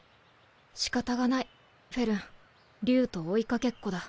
仕方がないフェルン竜と追いかけっこだ。